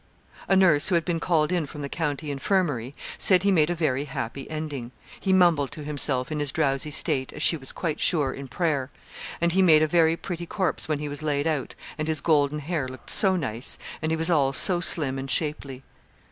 A nurse who had been called in from the county infirmary, said he made a very happy ending. He mumbled to himself, in his drowsy state, as she was quite sure, in prayer; and he made a very pretty corpse when he was laid out, and his golden hair looked so nice, and he was all so slim and shapely.